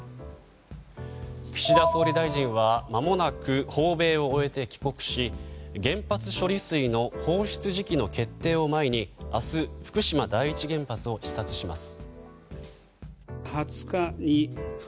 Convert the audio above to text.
岸田総理大臣はまもなく訪米を終えて帰国し原発処理水の放出時期の決定を前に明日、福島第一原発を視察します。